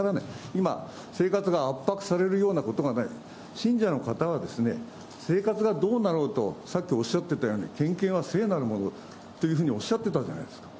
今、生活が圧迫されるようなことがない、信者の方は、生活がどうなろうと、さっきおっしゃっていたように、献金は聖なるものというふうにおっしゃってたじゃないですか。